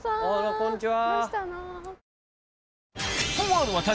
こんにちは。